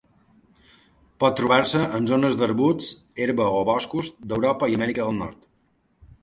Pot trobar-se en zones d'arbusts, herba o boscos d'Europa i Amèrica del Nord.